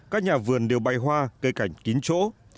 các nhà vườn đều bày hoa cây cảnh kín chỗ